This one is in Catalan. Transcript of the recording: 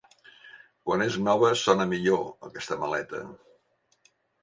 Quan és nova sona millor, aquesta maleta.